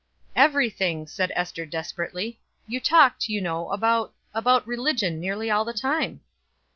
"Everything," said Ester desperately. "You talked, you know, about about religion nearly all the time."